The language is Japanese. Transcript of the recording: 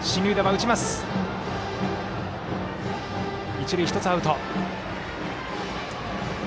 一塁、１つアウト。